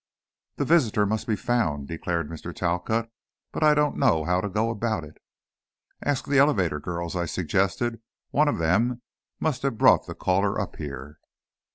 "The visitor must be found," declared Mr. Talcott, "but I don't know how to go about it." "Ask the elevator girls," I suggested; "one of them must have brought the caller up here."